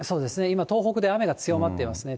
今東北で雨が強まってますね。